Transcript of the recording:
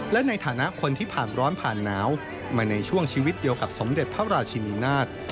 และในฐานะคนที่ผ่านร้อนผ่านหนาวมาในช่วงชีวิตเดียวกับสมเด็จพระราชินีนาฏ